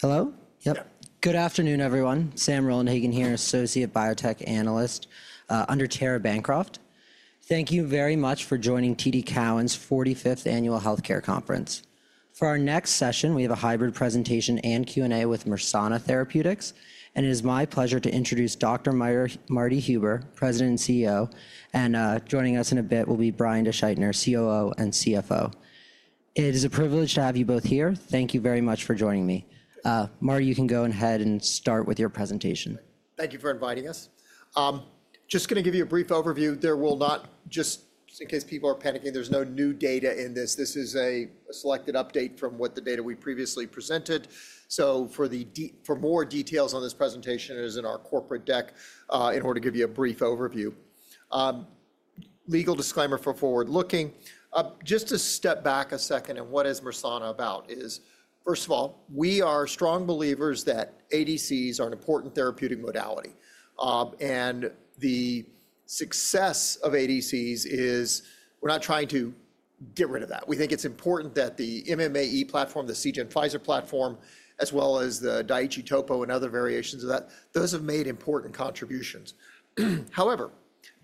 Good afternoon, everyone. Yep. Good afternoon, everyone. Sam Roland-Hagan here, Associate Biotech Analyst under Tara Bancroft. Thank you very much for joining TD Cowen's 45th Annual Healthcare Conference. For our next session, we have a hybrid presentation and Q&A with Mersana Therapeutics, and it is my pleasure to introduce Dr. Marty Huber, President and CEO, and joining us in a bit will be Brian DeSchuytner, COO and CFO. It is a privilege to have you both here. Thank you very much for joining me. Marty, you can go ahead and start with your presentation. Thank you for inviting us. Just going to give you a brief overview. There will not, just in case people are panicking, there's no new data in this. This is a selected update from what the data we previously presented. For more details on this presentation, it is in our corporate deck in order to give you a brief overview. Legal disclaimer for forward-looking. Just to step back a second and what is Mersana about is, first of all, we are strong believers that ADCs are an important therapeutic modality. The success of ADCs is we're not trying to get rid of that. We think it's important that the MMAE platform, the Seagen/Pfizer platform, as well as the Daiichi Topo and other variations of that, those have made important contributions. However,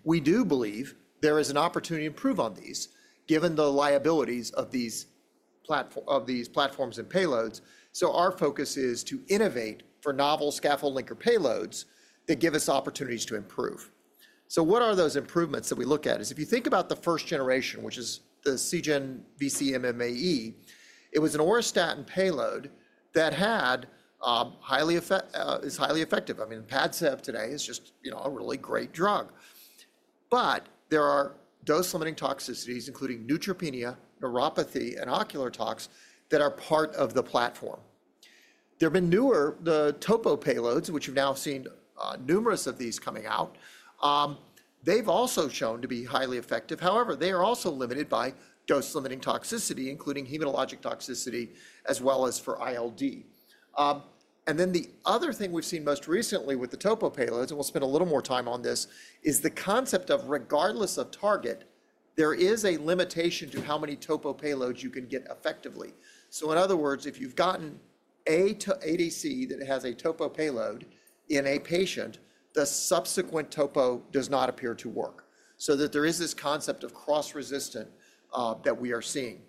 we do believe there is an opportunity to improve on these given the liabilities of these platforms and payloads. Our focus is to innovate for novel scaffold linker payloads that give us opportunities to improve. What are those improvements that we look at is if you think about the first generation, which is the Seagen VC MMAE, it was an auristatin payload that is highly effective. I mean, Padcev today is just a really great drug. There are dose-limiting toxicities, including neutropenia, neuropathy, and ocular tox that are part of the platform. There have been newer Topo payloads, which we've now seen numerous of these coming out. They've also shown to be highly effective. However, they are also limited by dose-limiting toxicity, including hematologic toxicity, as well as for ILD. The other thing we've seen most recently with the Topo payloads, and we'll spend a little more time on this, is the concept of regardless of target, there is a limitation to how many Topo payloads you can get effectively. In other words, if you've gotten an ADC that has a Topo payload in a patient, the subsequent Topo does not appear to work. There is this concept of cross-resistance that we are seeing.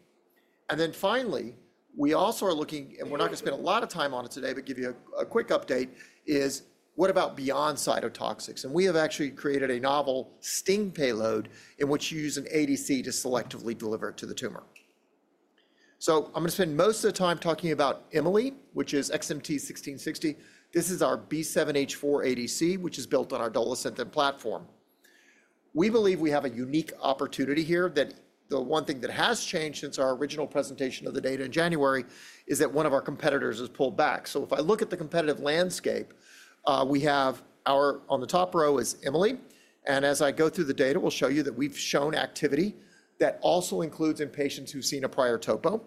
Finally, we also are looking, and we're not going to spend a lot of time on it today, but give you a quick update, is what about beyond cytotoxics? We have actually created a novel STING payload in which you use an ADC to selectively deliver it to the tumor. I'm going to spend most of the time talking about Emily, which is XMT-1660. This is our B7-H4 ADC, which is built on our Dolasynthen platform. We believe we have a unique opportunity here that the one thing that has changed since our original presentation of the data in January is that one of our competitors has pulled back. If I look at the competitive landscape, we have our on the top row is Emily. As I go through the data, we'll show you that we've shown activity that also includes in patients who've seen a prior Topo.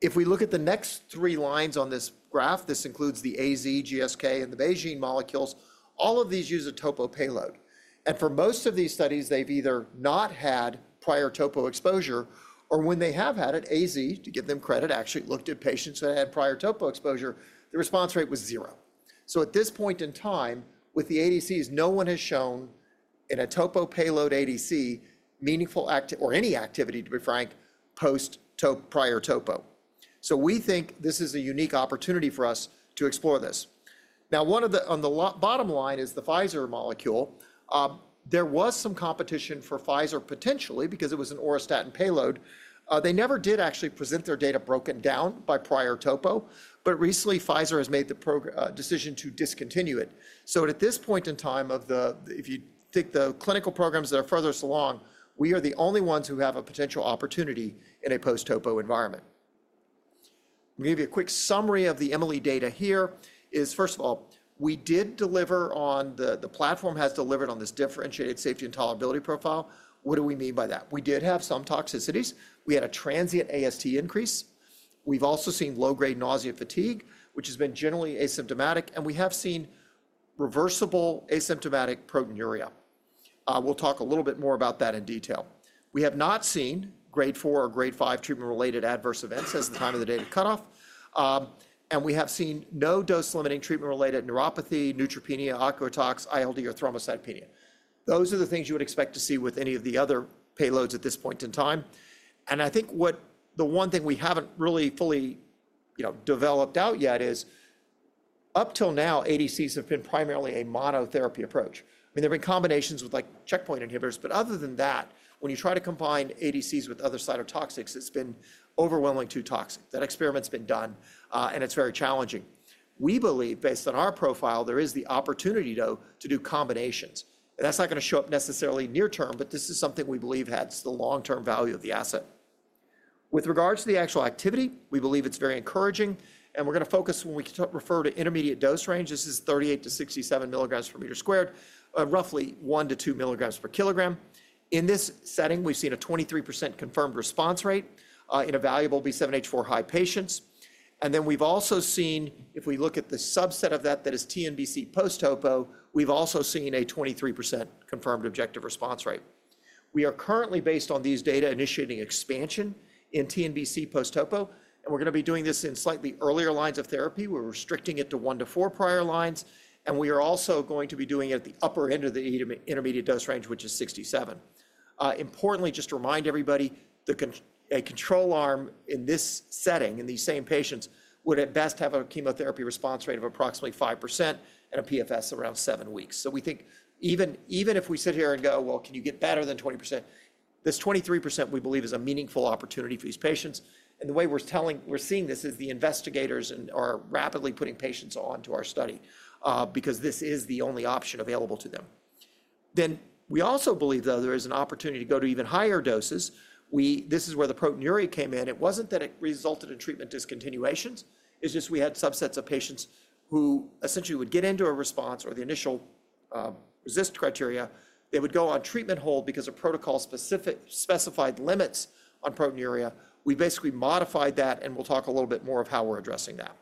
If we look at the next three lines on this graph, this includes the AZ, GSK, and the BeiGene molecules. All of these use a Topo payload. For most of these studies, they've either not had prior Topo exposure or when they have had it, AstraZeneca, to give them credit, actually looked at patients that had prior Topo exposure, the response rate was zero. At this point in time, with the ADCs, no one has shown in a Topo payload ADC meaningful or any activity, to be frank, post prior Topo. We think this is a unique opportunity for us to explore this. Now, one of the on the bottom line is the Pfizer molecule. There was some competition for Pfizer potentially because it was an auristatin payload. They never did actually present their data broken down by prior Topo, but recently Pfizer has made the decision to discontinue it. At this point in time, if you take the clinical programs that are furthest along, we are the only ones who have a potential opportunity in a post-Topo environment. I'll give you a quick summary of the Emily data here. First of all, we did deliver on the platform, has delivered on this differentiated safety and tolerability profile. What do we mean by that? We did have some toxicities. We had a transient AST increase. We've also seen low-grade nausea and fatigue, which has been generally asymptomatic, and we have seen reversible asymptomatic proteinuria. We'll talk a little bit more about that in detail. We have not seen grade 4 or grade 5 treatment-related adverse events as of the time of the data cutoff. We have seen no dose-limiting treatment-related neuropathy, neutropenia, ocular tox, ILD, or thrombocytopenia. Those are the things you would expect to see with any of the other payloads at this point in time. I think what the one thing we haven't really fully developed out yet is up till now, ADCs have been primarily a monotherapy approach. I mean, there have been combinations with checkpoint inhibitors, but other than that, when you try to combine ADCs with other cytotoxics, it's been overwhelmingly too toxic. That experiment's been done, and it's very challenging. We believe, based on our profile, there is the opportunity, though, to do combinations. That's not going to show up necessarily near term, but this is something we believe has the long-term value of the asset. With regards to the actual activity, we believe it's very encouraging, and we're going to focus when we refer to intermediate dose range. This is 38-67 milligrams per meter squared, roughly 1-2 milligrams per kilogram. In this setting, we've seen a 23% confirmed response rate in evaluable B7H4 high patients. We've also seen, if we look at the subset of that that is TNBC post-Topo, we've also seen a 23% confirmed objective response rate. We are currently, based on these data, initiating expansion in TNBC post-Topo, and we're going to be doing this in slightly earlier lines of therapy. We're restricting it to 1-4 prior lines, and we are also going to be doing it at the upper end of the intermediate dose range, which is 67. Importantly, just to remind everybody, a control arm in this setting, in these same patients, would at best have a chemotherapy response rate of approximately 5% and a PFS around 7 weeks. We think even if we sit here and go, well, can you get better than 20%, this 23% we believe is a meaningful opportunity for these patients. The way we're seeing this is the investigators are rapidly putting patients onto our study because this is the only option available to them. We also believe, though, there is an opportunity to go to even higher doses. This is where the proteinuria came in. It was not that it resulted in treatment discontinuations. It is just we had subsets of patients who essentially would get into a response or the initial RECIST criteria. They would go on treatment hold because of protocol-specified limits on proteinuria. We basically modified that, and we will talk a little bit more of how we're addressing that.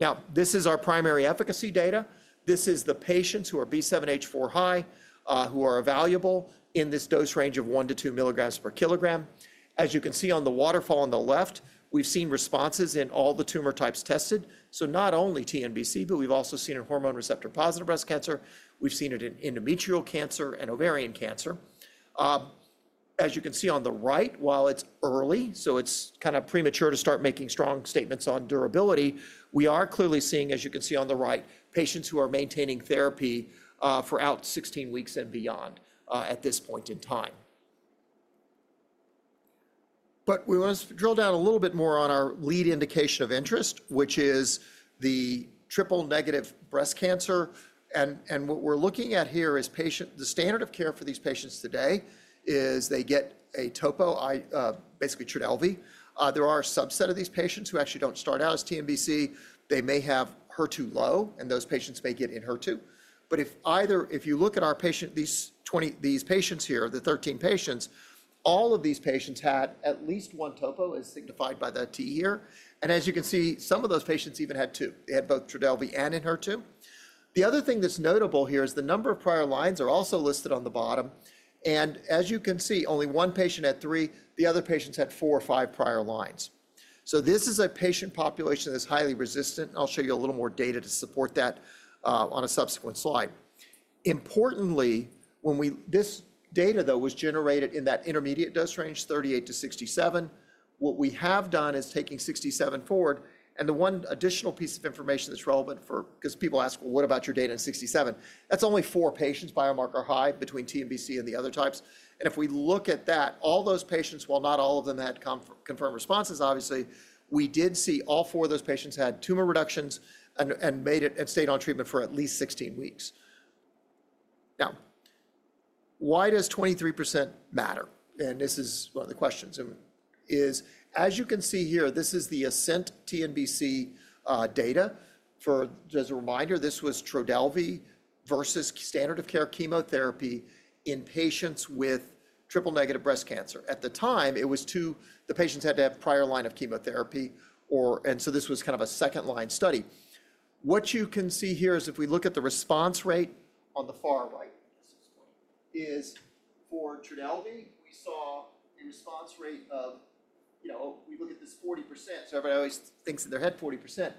Now, this is our primary efficacy data. This is the patients who are B7H4 high, who are valuable in this dose range of 1-2 mg/kg. As you can see on the waterfall on the left, we've seen responses in all the tumor types tested. Not only TNBC, but we've also seen in hormone receptor-positive breast cancer. We've seen it in endometrial cancer and ovarian cancer. As you can see on the right, while it's early, so it's kind of premature to start making strong statements on durability, we are clearly seeing, as you can see on the right, patients who are maintaining therapy for out 16 weeks and beyond at this point in time. We want to drill down a little bit more on our lead indication of interest, which is the triple negative breast cancer. What we're looking at here is patient the standard of care for these patients today is they get a Topo, basically Trodelvy. There are a subset of these patients who actually do not start out as TNBC. They may have HER2-low, and those patients may get Enhertu. If either if you look at our patient, these 20 these patients here, the 13 patients, all of these patients had at least one Topo as signified by that T here. As you can see, some of those patients even had two. They had both Trodelvy and Enhertu. The other thing that's notable here is the number of prior lines are also listed on the bottom. As you can see, only one patient had three. The other patients had four or five prior lines. This is a patient population that's highly resistant. I'll show you a little more data to support that on a subsequent slide. Importantly, when we, this data, though, was generated in that intermediate dose range, 38-67, what we have done is taking 67 forward. The one additional piece of information that's relevant for, because people ask, well, what about your data in 67? That's only four patients biomarker high between TNBC and the other types. If we look at that, all those patients, while not all of them had confirmed responses, obviously, we did see all four of those patients had tumor reductions and stayed on treatment for at least 16 weeks. Now, why does 23% matter? This is one of the questions, as you can see here, this is the ASCENT TNBC data. As a reminder, this was Trodelvy versus standard of care chemotherapy in patients with triple negative breast cancer. At the time, it was two, the patients had to have prior line of chemotherapy, and so this was kind of a second-line study. What you can see here is if we look at the response rate on the far right is for Trodelvy, we saw a response rate of, we look at this, 40%. Everybody always thinks that they're at 40%.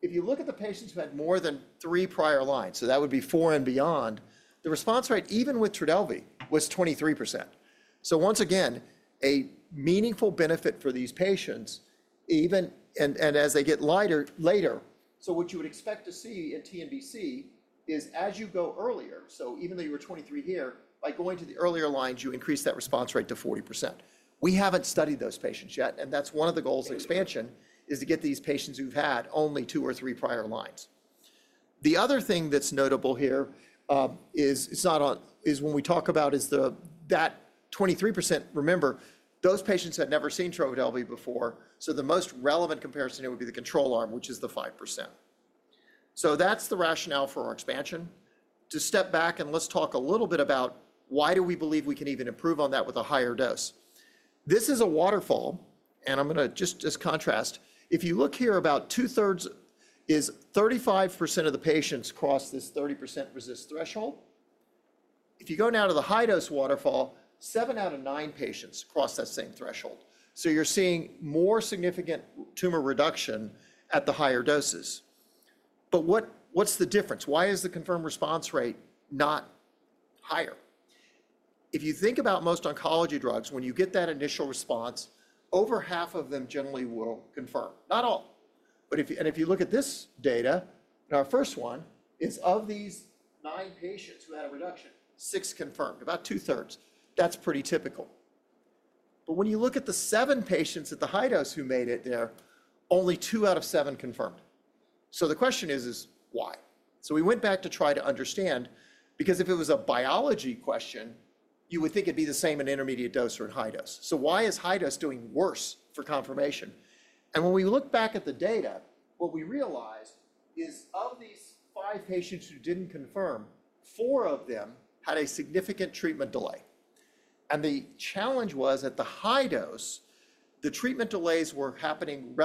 If you look at the patients who had more than three prior lines, so that would be four and beyond, the response rate, even with Trodelvy, was 23%. Once again, a meaningful benefit for these patients, even as they get later. What you would expect to see in TNBC is as you go earlier, so even though you were 23 here, by going to the earlier lines, you increase that response rate to 40%. We haven't studied those patients yet, and that's one of the goals of expansion is to get these patients who've had only two or three prior lines. The other thing that's notable here is it's not on is when we talk about is that 23%, remember, those patients had never seen Trodelvy before. The most relevant comparison here would be the control arm, which is the 5%. That's the rationale for our expansion. To step back, and let's talk a little bit about why do we believe we can even improve on that with a higher dose. This is a waterfall, and I'm going to just contrast. If you look here, about two-thirds is 35% of the patients cross this 30% RECIST threshold. If you go now to the high-dose waterfall, seven out of nine patients cross that same threshold. You're seeing more significant tumor reduction at the higher doses. What's the difference? Why is the confirmed response rate not higher? If you think about most oncology drugs, when you get that initial response, over half of them generally will confirm. Not all. If you look at this data, our first one is of these nine patients who had a reduction, six confirmed, about two-thirds. That's pretty typical. When you look at the seven patients at the high dose who made it there, only two out of seven confirmed. The question is, why? We went back to try to understand because if it was a biology question, you would think it'd be the same in intermediate dose or in high dose. Why is high dose doing worse for confirmation? When we look back at the data, what we realized is of these five patients who didn't confirm, four of them had a significant treatment delay. The challenge was at the high dose, the treatment delays were happening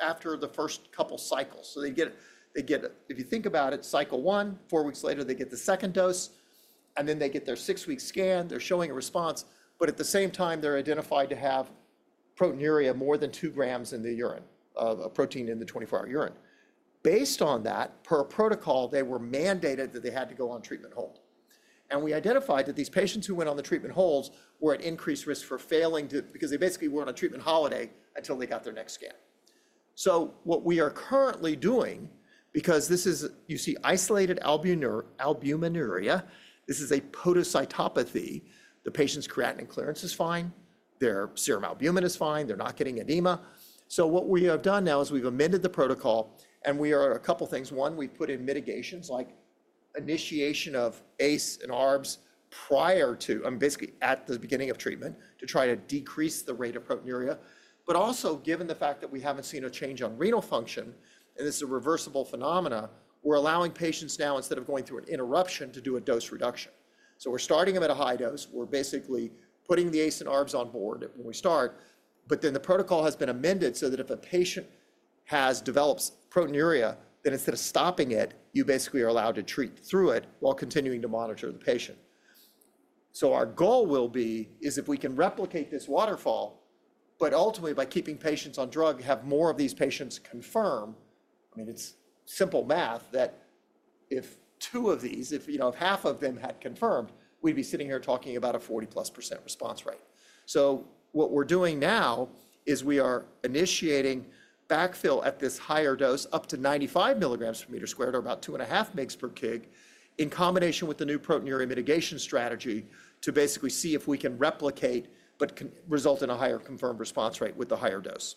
after the first couple cycles. If you think about it, cycle one, four weeks later, they get the second dose, and then they get their six-week scan. They're showing a response, but at the same time, they're identified to have proteinuria more than 2 grams in the urine, a protein in the 24-hour urine. Based on that, per protocol, they were mandated that they had to go on treatment hold. We identified that these patients who went on the treatment holds were at increased risk for failing to because they basically were on a treatment holiday until they got their next scan. What we are currently doing, because this is you see isolated albuminuria, this is a podocytopathy. The patient's creatinine clearance is fine. Their serum albumin is fine. They're not getting edema. What we have done now is we've amended the protocol, and we are a couple of things. One, we've put in mitigations like initiation of ACE and ARBs prior to and basically at the beginning of treatment to try to decrease the rate of proteinuria. Also, given the fact that we haven't seen a change on renal function, and this is a reversible phenomenon, we're allowing patients now, instead of going through an interruption, to do a dose reduction. We're starting them at a high dose. We're basically putting the ACE and ARBs on board when we start, but the protocol has been amended so that if a patient has developed proteinuria, then instead of stopping it, you basically are allowed to treat through it while continuing to monitor the patient. Our goal will be is if we can replicate this waterfall, but ultimately, by keeping patients on drug, have more of these patients confirm, I mean, it's simple math that if two of these, if half of them had confirmed, we'd be sitting here talking about a 40+% response rate. What we're doing now is we are initiating backfill at this higher dose up to 95 mg per meter squared or about 2.5 mg/kg in combination with the new proteinuria mitigation strategy to basically see if we can replicate but result in a higher confirmed response rate with the higher dose.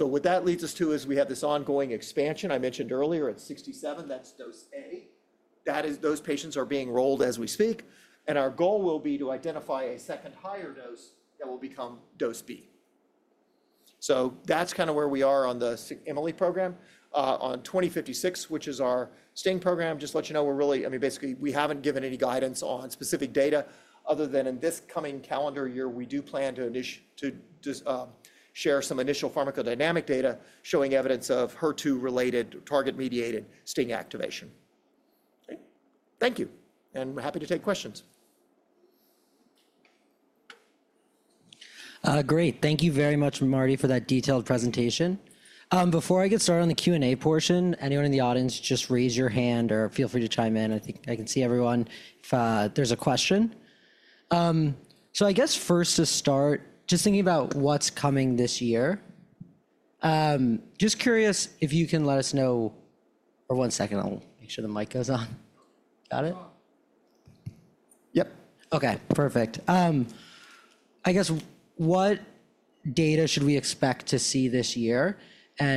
What that leads us to is we have this ongoing expansion. I mentioned earlier at 67, that's dose A. Those patients are being enrolled as we speak, and our goal will be to identify a second higher dose that will become dose B. That's kind of where we are on the Emily program on 2056, which is our STING program. Just let you know, we're really, I mean, basically, we haven't given any guidance on specific data other than in this coming calendar year, we do plan to share some initial pharmacodynamic data showing evidence of HER2-related target-mediated STING activation. Thank you, and happy to take questions. Great. Thank you very much, Marty, for that detailed presentation. Before I get started on the Q&A portion, anyone in the audience, just raise your hand or feel free to chime in. I think I can see everyone. If there's a question. I guess first to start, just thinking about what's coming this year, just curious if you can let us know or one second, I'll make sure the mic goes on. Got it? Yep. Okay. Perfect. I guess what data should we expect to see this year?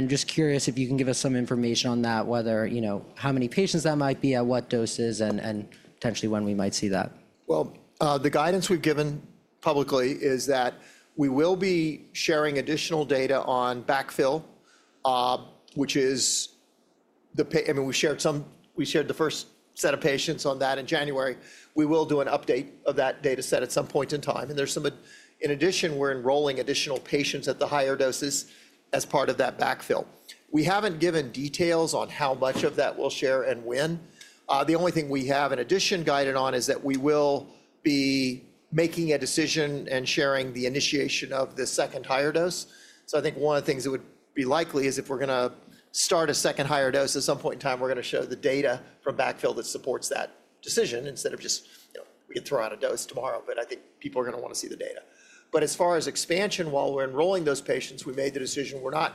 Just curious if you can give us some information on that, whether how many patients that might be, at what doses, and potentially when we might see that. The guidance we've given publicly is that we will be sharing additional data on backfill, which is the, I mean, we shared some, we shared the first set of patients on that in January. We will do an update of that data set at some point in time. In addition, we're enrolling additional patients at the higher doses as part of that backfill. We haven't given details on how much of that we'll share and when. The only thing we have in addition guided on is that we will be making a decision and sharing the initiation of the second higher dose. I think one of the things that would be likely is if we're going to start a second higher dose, at some point in time, we're going to show the data from backfill that supports that decision instead of just we can throw out a dose tomorrow. I think people are going to want to see the data. As far as expansion, while we're enrolling those patients, we made the decision we're not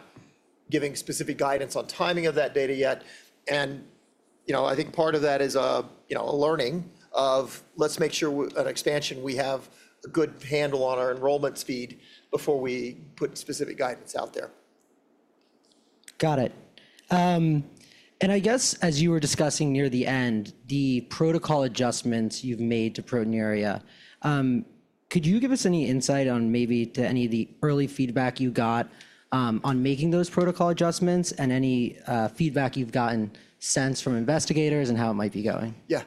giving specific guidance on timing of that data yet. I think part of that is a learning of let's make sure in expansion we have a good handle on our enrollment speed before we put specific guidance out there. Got it. I guess as you were discussing near the end, the protocol adjustments you've made to proteinuria, could you give us any insight on maybe any of the early feedback you got on making those protocol adjustments and any feedback you've gotten since from investigators and how it might be going? Yeah.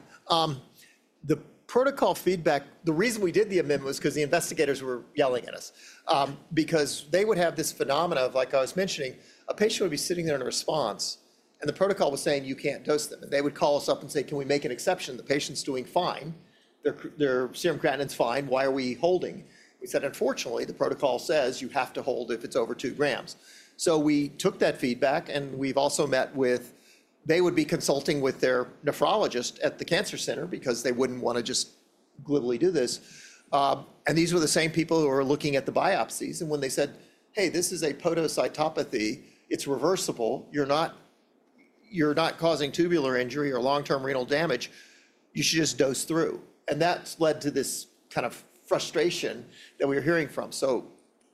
The protocol feedback, the reason we did the amendment was because the investigators were yelling at us because they would have this phenomena of, like I was mentioning, a patient would be sitting there in a response, and the protocol was saying, you can't dose them. They would call us up and say, can we make an exception? The patient's doing fine. Their serum creatinine's fine. Why are we holding? We said, unfortunately, the protocol says you have to hold if it's over 2 grams. We took that feedback, and we've also met with they would be consulting with their nephrologist at the cancer center because they wouldn't want to just glibly do this. These were the same people who were looking at the biopsies. When they said, hey, this is a podocytopathy, it's reversible. You're not causing tubular injury or long-term renal damage. You should just dose through. That has led to this kind of frustration that we're hearing from.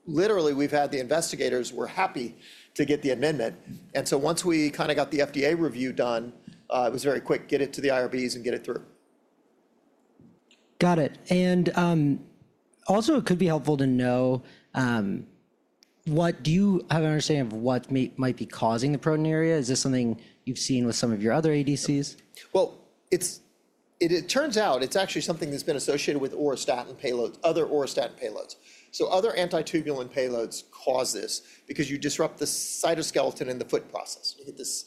Literally, we've had the investigators were happy to get the amendment. Once we kind of got the FDA review done, it was very quick, get it to the IRBs and get it through. Got it. It could be helpful to know what do you have an understanding of what might be causing the proteinuria? Is this something you've seen with some of your other ADCs? It turns out it's actually something that's been associated with auristatin and other auristatin payloads. Other anti-tubulin payloads cause this because you disrupt the cytoskeleton in the foot process. You get this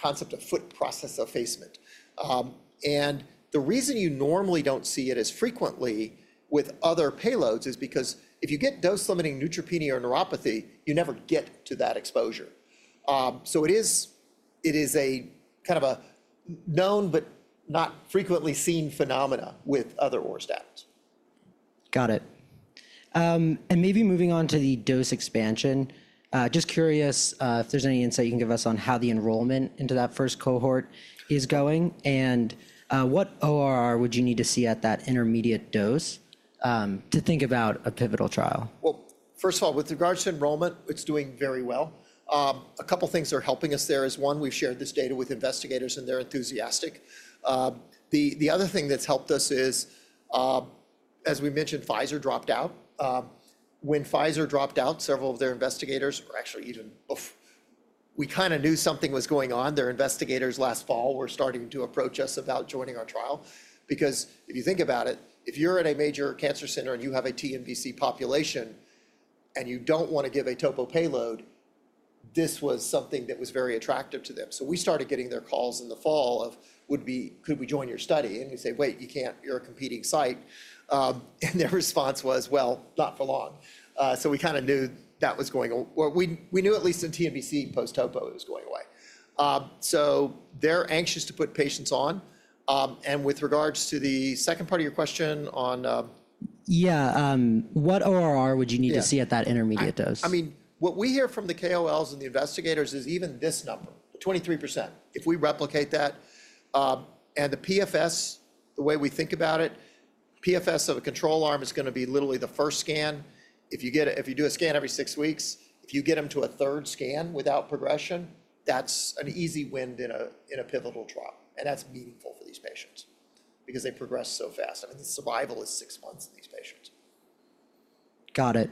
concept of foot process effacement. The reason you normally don't see it as frequently with other payloads is because if you get dose-limiting neutropenia or neuropathy, you never get to that exposure. It is a kind of a known but not frequently seen phenomena with other auristatins. Got it. Maybe moving on to the dose expansion, just curious if there's any insight you can give us on how the enrollment into that first cohort is going and what ORR would you need to see at that intermediate dose to think about a pivotal trial? First of all, with regards to enrollment, it's doing very well. A couple of things are helping us there. One, we've shared this data with investigators, and they're enthusiastic. The other thing that's helped us is, as we mentioned, Pfizer dropped out. When Pfizer dropped out, several of their investigators were actually, even we kind of knew something was going on, their investigators last fall were starting to approach us about joining our trial because if you think about it, if you're at a major cancer center and you have a TNBC population and you don't want to give a topo payload, this was something that was very attractive to them. We started getting their calls in the fall of, could we join your study? We say, wait, you can't. You're a competing site. Their response was, well, not for long. We kind of knew that was going. We knew at least in TNBC post-topo, it was going away. They're anxious to put patients on. With regards to the second part of your question on. Yeah. What ORR would you need to see at that intermediate dose? I mean, what we hear from the KOLs and the investigators is even this number, 23%, if we replicate that. The PFS, the way we think about it, PFS of a control arm is going to be literally the first scan. If you do a scan every six weeks, if you get them to a third scan without progression, that's an easy win in a pivotal trial. That's meaningful for these patients because they progress so fast. I mean, the survival is six months in these patients. Got it.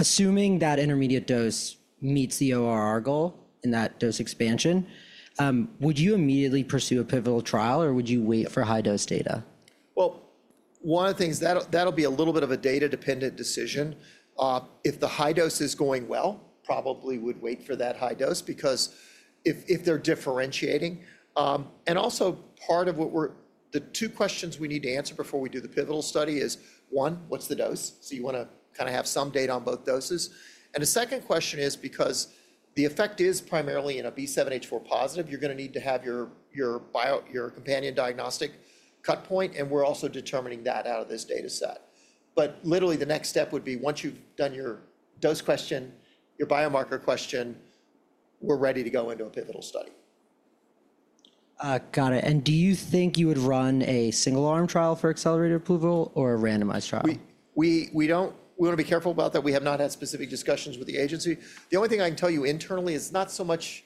Assuming that intermediate dose meets the ORR goal in that dose expansion, would you immediately pursue a pivotal trial or would you wait for high-dose data? One of the things, that'll be a little bit of a data-dependent decision. If the high dose is going well, probably would wait for that high dose because if they're differentiating. Also, part of what we're the two questions we need to answer before we do the pivotal study is, one, what's the dose? You want to kind of have some data on both doses. The second question is because the effect is primarily in a B7H4 positive, you're going to need to have your companion diagnostic cut point, and we're also determining that out of this data set. Literally, the next step would be once you've done your dose question, your biomarker question, we're ready to go into a pivotal study. Got it. Do you think you would run a single-arm trial for accelerated approval or a randomized trial? We want to be careful about that. We have not had specific discussions with the agency. The only thing I can tell you internally is not so much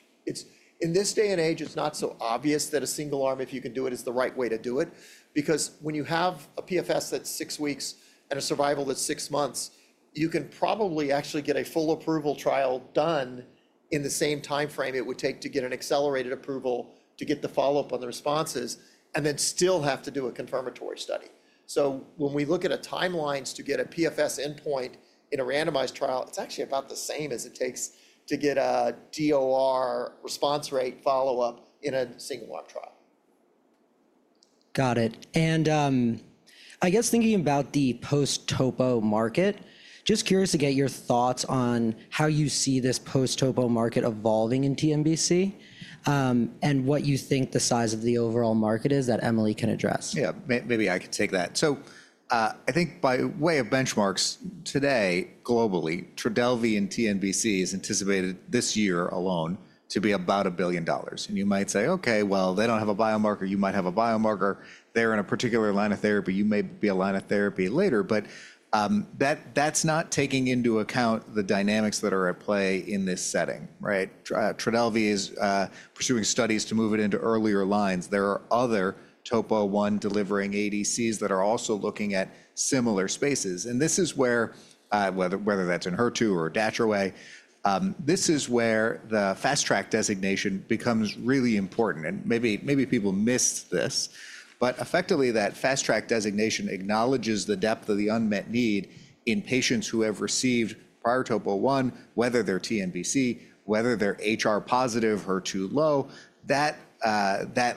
in this day and age, it's not so obvious that a single arm, if you can do it, is the right way to do it because when you have a PFS that's six weeks and a survival that's six months, you can probably actually get a full approval trial done in the same time frame it would take to get an accelerated approval to get the follow-up on the responses and then still have to do a confirmatory study. When we look at a timelines to get a PFS endpoint in a randomized trial, it's actually about the same as it takes to get a DOR response rate follow-up in a single-arm trial. Got it. I guess thinking about the post-topo market, just curious to get your thoughts on how you see this post-topo market evolving in TNBC and what you think the size of the overall market is that Emily can address. Yeah. Maybe I could take that. I think by way of benchmarks today, globally, Trodelvy and TNBC is anticipated this year alone to be about $1 billion. You might say, okay, well, they do not have a biomarker. You might have a biomarker. They are in a particular line of therapy. You may be a line of therapy later. That is not taking into account the dynamics that are at play in this setting, right? Trodelvy is pursuing studies to move it into earlier lines. There are other topo one delivering ADCs that are also looking at similar spaces. This is where, whether that is in HER2 or DATROWAY, this is where the fast track designation becomes really important. Maybe people miss this, but effectively, that fast track designation acknowledges the depth of the unmet need in patients who have received prior topo one, whether they're TNBC, whether they're HR positive, HER2 low. That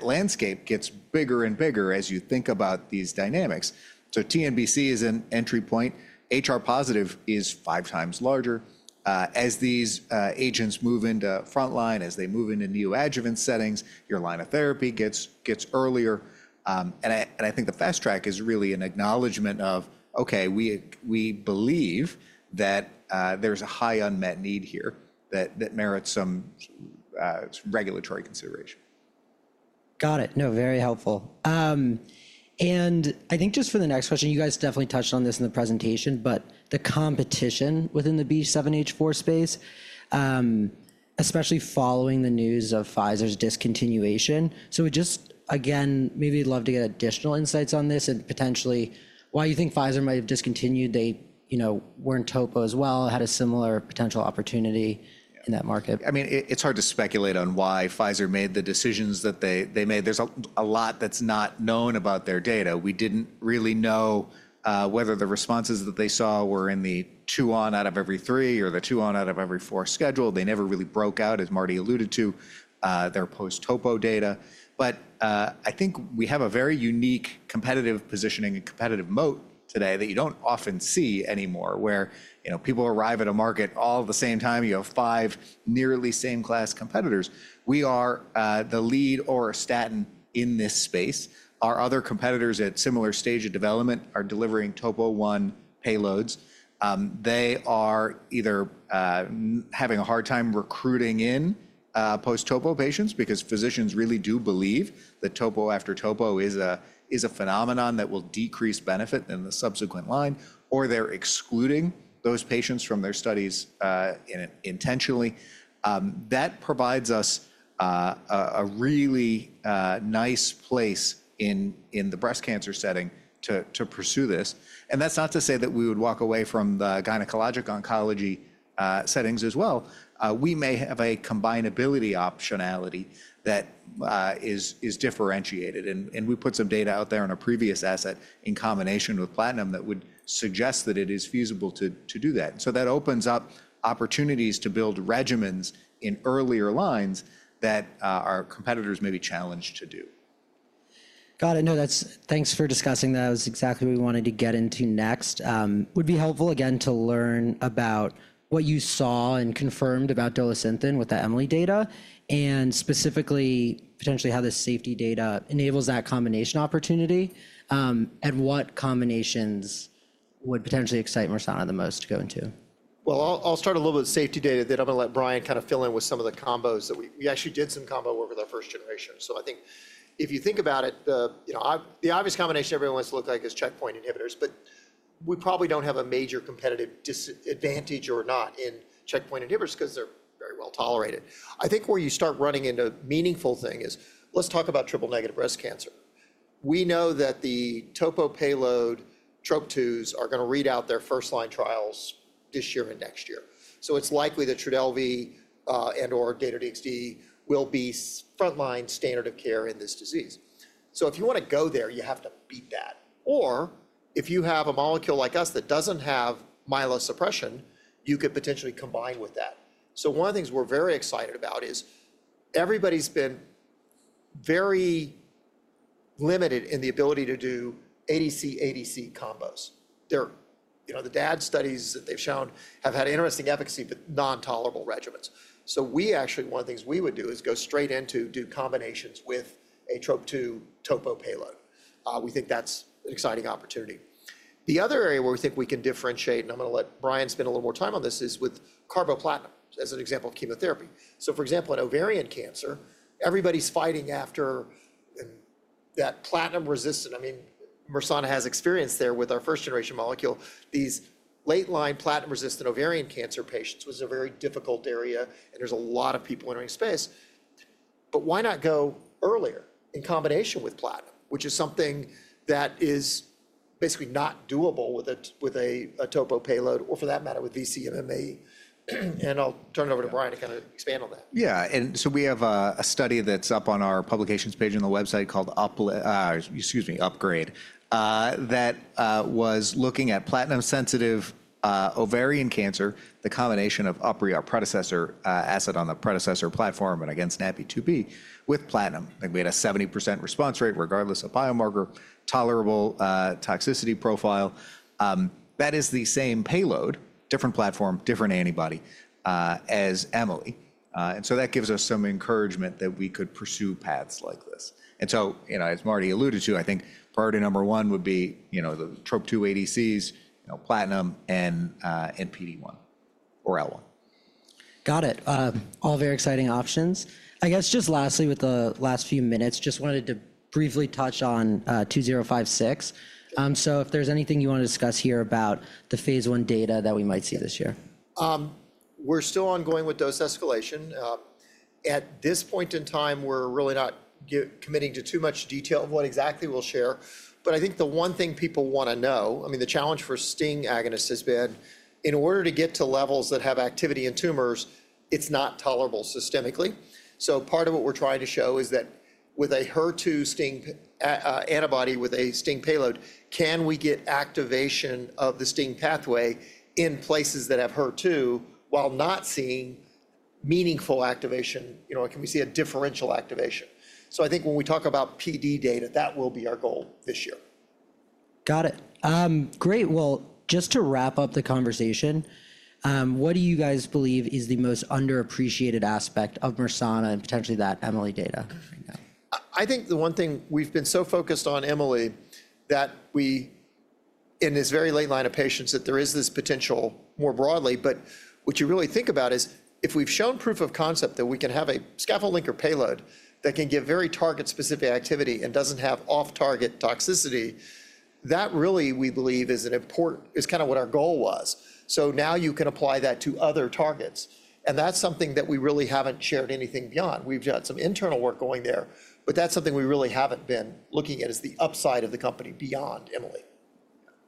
landscape gets bigger and bigger as you think about these dynamics. TNBC is an entry point. HR positive is five times larger. As these agents move into frontline, as they move into neoadjuvant settings, your line of therapy gets earlier. I think the fast track is really an acknowledgment of, okay, we believe that there's a high unmet need here that merits some regulatory consideration. Got it. No, very helpful. I think just for the next question, you guys definitely touched on this in the presentation, but the competition within the B7H4 space, especially following the news of Pfizer's discontinuation. Just again, maybe we'd love to get additional insights on this and potentially why you think Pfizer might have discontinued. They were not Topo as well, had a similar potential opportunity in that market. I mean, it's hard to speculate on why Pfizer made the decisions that they made. There's a lot that's not known about their data. We didn't really know whether the responses that they saw were in the two on out of every three or the two on out of every four schedule. They never really broke out, as Marty alluded to, their post-topo data. I think we have a very unique competitive positioning and competitive moat today that you don't often see anymore where people arrive at a market all at the same time. You have five nearly same-class competitors. We are the lead auristatin in this space. Our other competitors at similar stage of development are delivering topo one payloads. They are either having a hard time recruiting in post-topo patients because physicians really do believe that topo after topo is a phenomenon that will decrease benefit in the subsequent line, or they're excluding those patients from their studies intentionally. That provides us a really nice place in the breast cancer setting to pursue this. That is not to say that we would walk away from the gynecologic oncology settings as well. We may have a combinability optionality that is differentiated. We put some data out there on a previous asset in combination with platinum that would suggest that it is feasible to do that. That opens up opportunities to build regimens in earlier lines that our competitors may be challenged to do. Got it. No, thanks for discussing that. That was exactly what we wanted to get into next. Would be helpful again to learn about what you saw and confirmed about Dolasynthen with the Emily data and specifically potentially how the safety data enables that combination opportunity. What combinations would potentially excite Mersana the most to go into? I'll start a little bit with safety data. Then I'm going to let Brian kind of fill in with some of the combos that we actually did some combo over the first generation. I think if you think about it, the obvious combination everyone wants to look like is checkpoint inhibitors. We probably don't have a major competitive advantage or not in checkpoint inhibitors because they're very well tolerated. I think where you start running into a meaningful thing is let's talk about triple negative breast cancer. We know that the topo payload tropes are going to read out their first line trials this year and next year. It is likely that Trodelvy and/or Dato-DXd will be frontline standard of care in this disease. If you want to go there, you have to beat that. If you have a molecule like us that doesn't have myelosuppression, you could potentially combine with that. One of the things we're very excited about is everybody's been very limited in the ability to do ADC/ADC combos. The Dato studies that they've shown have had interesting efficacy, but non-tolerable regimens. We actually, one of the things we would do is go straight into do combinations with a TROP2 topo payload. We think that's an exciting opportunity. The other area where we think we can differentiate, and I'm going to let Brian spend a little more time on this, is with carboplatin as an example of chemotherapy. For example, in ovarian cancer, everybody's fighting after that platinum resistant. I mean, Mersana has experience there with our first generation molecule. These late line platinum resistant ovarian cancer patients was a very difficult area, and there's a lot of people entering space. Why not go earlier in combination with platinum, which is something that is basically not doable with a topo payload or for that matter with VC MMA? I'll turn it over to Brian to kind of expand on that. Yeah. We have a study that's up on our publications page on the website called Upgrade, that was looking at platinum sensitive ovarian cancer, the combination of UpRi, our predecessor asset on the predecessor platform and against NaPi2b with platinum. I think we had a 70% response rate regardless of biomarker, tolerable toxicity profile. That is the same payload, different platform, different antibody as Emily. That gives us some encouragement that we could pursue paths like this. As Marty alluded to, I think priority number one would be the TROP2 ADCs, platinum and PD-1 or L1. Got it. All very exciting options. I guess just lastly, with the last few minutes, just wanted to briefly touch on 2056. If there's anything you want to discuss here about the phase one data that we might see this year. We're still ongoing with dose escalation. At this point in time, we're really not committing to too much detail of what exactly we'll share. I think the one thing people want to know, I mean, the challenge for STING agonist has been in order to get to levels that have activity in tumors, it's not tolerable systemically. Part of what we're trying to show is that with a HER2 STING antibody with a STING payload, can we get activation of the STING pathway in places that have HER2 while not seeing meaningful activation? Can we see a differential activation? I think when we talk about PD data, that will be our goal this year. Got it. Great. Just to wrap up the conversation, what do you guys believe is the most underappreciated aspect of Mersana and potentially that Emily data? I think the one thing we've been so focused on, Emily, that we in this very late line of patients that there is this potential more broadly. What you really think about is if we've shown proof of concept that we can have a scaffold linker payload that can give very target specific activity and doesn't have off-target toxicity, that really we believe is an important is kind of what our goal was. Now you can apply that to other targets. That's something that we really haven't shared anything beyond. We've got some internal work going there, but that's something we really haven't been looking at as the upside of the company beyond Emily.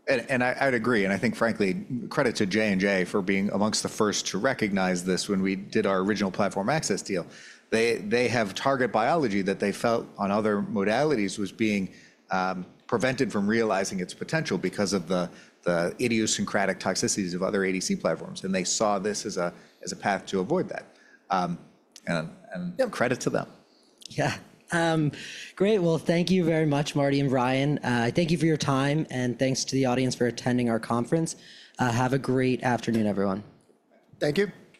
I would agree. I think frankly, credit to J&J for being amongst the first to recognize this when we did our original platform access deal. They have target biology that they felt on other modalities was being prevented from realizing its potential because of the idiosyncratic toxicities of other ADC platforms. They saw this as a path to avoid that. Credit to them. Great. Thank you very much, Marty and Brian. Thank you for your time. Thank you to the audience for attending our conference. Have a great afternoon, everyone. Thank you.